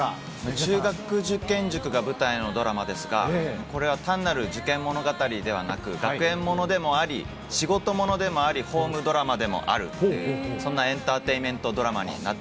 中学受験塾が舞台のドラマですが、これは単なる受験物語ではなく、学園ものでもあり、仕事ものでもあり、ホームドラマでもある、そんなエンターテインメントドラマになっ